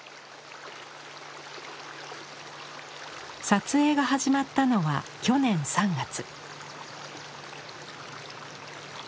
撮影が始まったのは去年３月。